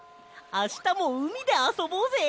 あしたもうみであそぼうぜ！